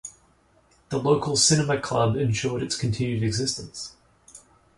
The local cinema club ensured its continued existence.